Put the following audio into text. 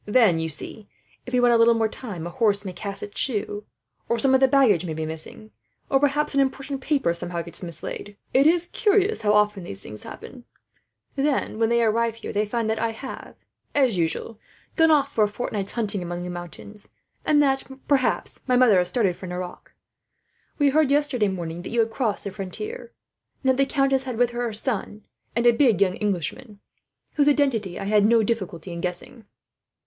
"Then, you see, if we want a little more time, a horse may cast its shoe, or some of the baggage may be missing, or perhaps an important paper somehow gets mislaid. It is curious how often these things happen. Then, when they arrive here they find that I have, as usual, gone off for a fortnight's hunting among the mountains; and that, perhaps, my mother has started for Nerac. "We heard yesterday morning that you had crossed the frontier, and that the countess had with her her son, and a big young Englishman, whose identity I had no difficulty in guessing."